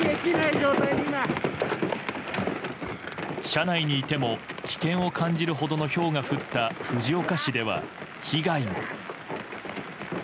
車内にいても危険を感じるほどのひょうが降った藤岡市では被害も。